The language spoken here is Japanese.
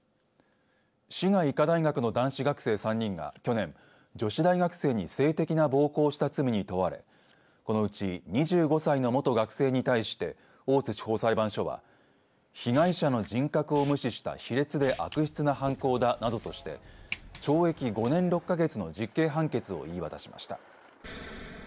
滋賀医科大学の男子学生３人が去年、女子大学生に性的な暴行をした罪に問われこのうち２５歳の元学生に対して大津地方裁判所は被害者の人格を無視した卑劣で悪質な犯行だなどとして懲役５年６か月の実刑判決を言い渡しました。